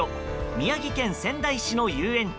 宮城県仙台市の遊園地